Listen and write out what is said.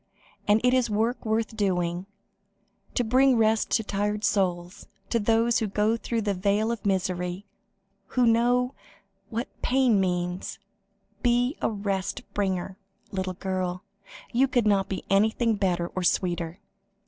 And, it is work worth doing to bring rest to tired souls, to those who go through the vale of misery, who know what pain means. Be a rest bringer, little girl; you could not be anything better or sweeter."